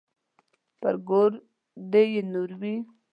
پر ګور دې يې نور وي.